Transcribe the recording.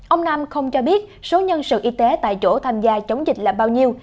ông nam không cho biết số nhân sự y tế tại chỗ tham gia chống dịch là bao nhiêu